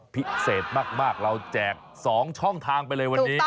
พิเศษมากเราแจก๒ช่องทางไปเลยวันนี้